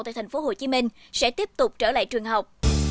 tại tp hcm sẽ tiếp tục trở lại trường học